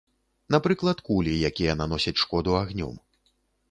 Напрыклад, кулі, якія наносяць шкоду агнём.